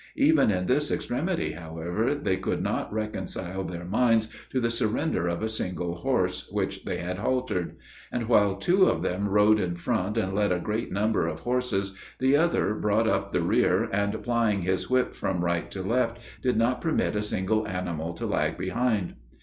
Even in this extremity, however, they could not reconcile their minds to the surrender of a single horse which they had haltered; and while two of them rode in front and led a great number of horses, the other brought up the rear, and, plying his whip from right to left, did not permit a single animal to lag behind.